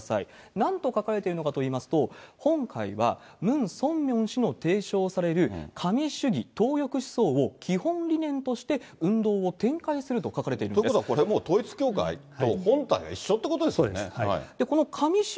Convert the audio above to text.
なんと書かれているのかといいますと、本会はムン・ソンミョン氏の提唱される神主義・頭翼思想を基本理念として運動を展開すると書かれているんです。ということは、これもう統一教会と、本体が一緒ということですね。